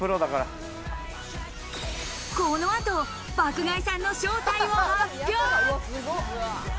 この後、爆買いさんの正体を発表。